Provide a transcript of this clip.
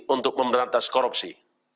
untuk memberantas korupsi